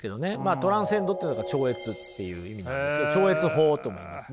トランセンドって超越っていう意味なんですけど超越法ともいいますね。